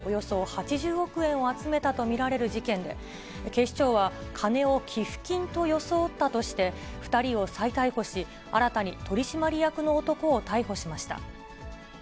うたい、会社社長の男ら２人が、未公開株でおよそ８０億円を集めたと見られる事件で、警視庁は、金を寄付金と装ったとして２人を再逮捕し、新たに取締役の男を逮捕しました。